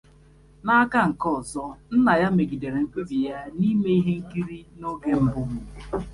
N'aka nke ọzọ, nna ya megidere mkpebi ya n'ime ihe nkiri n'oge mbụ.